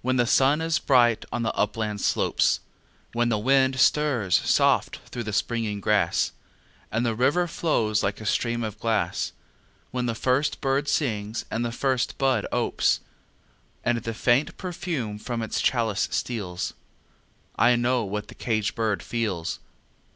When the sun is bright on the upland slopes; When the wind stirs soft through the springing grass, And the river flows like a stream of glass; When the first bird sings and the first bud opes, And the faint perfume from its chalice steals I know what the caged bird feels!